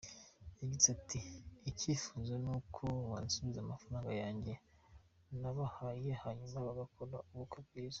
Yagize ati “Icyifuzo n’uko bansubiza amafaranga yanjye nabahaye hanyuma bagakora ubukwe bwiza.